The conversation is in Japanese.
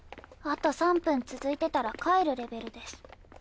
あと３分続いてたら帰るレベルです。